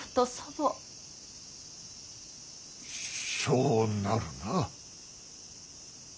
そうなるな。